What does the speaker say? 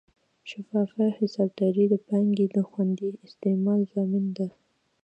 شفافه حسابداري د پانګې د خوندي استعمال ضامن ده.